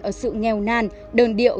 ở sự nghèo nan đơn điệu